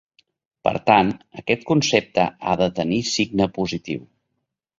Per tant, aquest concepte ha de tenir signe positiu.